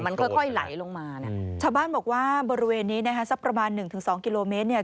มันค่อยไหลลงมาเนี่ยชาวบ้านบอกว่าบริเวณนี้นะคะสักประมาณหนึ่งถึงสองกิโลเมตรเนี่ย